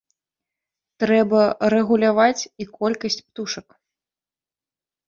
Трэба рэгуляваць і колькасць птушак.